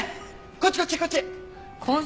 こっちこっちこっち！